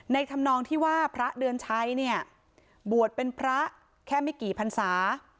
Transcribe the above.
ธรรมนองที่ว่าพระเดือนชัยเนี่ยบวชเป็นพระแค่ไม่กี่พันศา